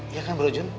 iya kan bro jun